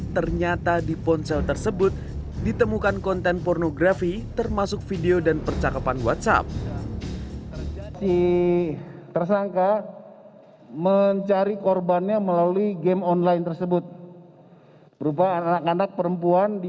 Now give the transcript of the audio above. ternyata di ponsel tersebut ditemukan konten pornografi termasuk video dan percakapan whatsapp